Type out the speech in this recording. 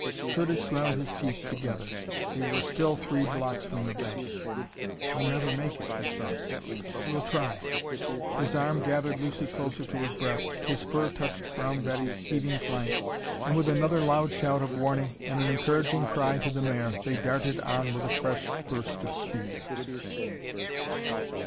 Curtis ground his teeth together. They were still three blocks from the bank. "We'll never make it," he thought; "but we'll try!" His arm gathered Lucy closer to his breast, his spur touched Brown Betty's heaving flank, and with another loud shout of warning and an encouraging cry to the mare they darted on with a fresh burst of speed.